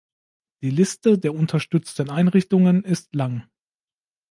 Die Liste der unterstützten Einrichtungen ist lang.